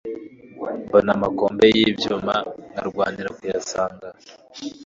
Mbona amakombe y'ibyuma nkarwanira kuyasanga.